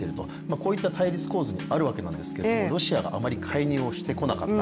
こういった対立構図にあるわけなんですけどロシアがあまり介入してこなかった。